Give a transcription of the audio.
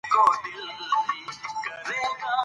دا کار پانګه غواړي.